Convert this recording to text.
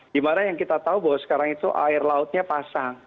dimana yang kita tahu bahwa sekarang itu air lautnya pasang